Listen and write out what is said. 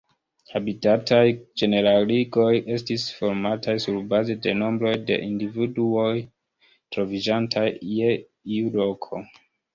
Habitataj ĝeneraligoj estis formataj surbaze de nombroj de individuoj troviĝantaj je iu loko.